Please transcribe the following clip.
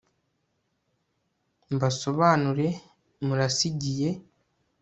Mbasobanure murasigiye